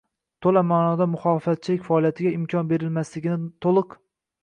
to‘la ma’noda “muxolifatchilik faoliyatiga” imkon bermasligini to‘liq